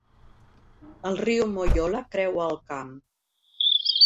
El riu Moyola creua el camp.